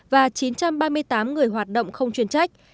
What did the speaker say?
và chín trăm ba mươi tám người hoạt động không chuyên trách